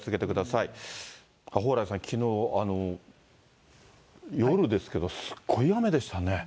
蓬莱さん、きのう夜ですけど、すっごい雨でしたね。